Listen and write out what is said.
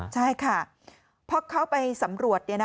ใช่ค่ะพอเข้าไปสำรวจ